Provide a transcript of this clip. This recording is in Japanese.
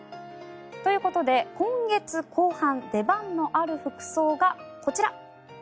ということで、今月後半出番のある服装がこちら。